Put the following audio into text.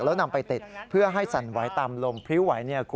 แล้วนำไปติดเพื่อให้สั่นไหวตามลมพริ้วไหว